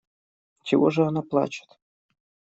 Чего же она плачет?